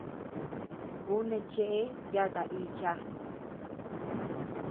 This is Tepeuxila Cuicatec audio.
Ú neʼë cheʼe yata ícha.